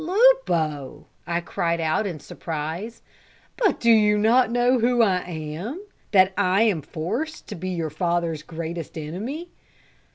"Lupo!" I cried out in surprise. "But do you not know who I am, and that I am forced to be your father's greatest enemy?"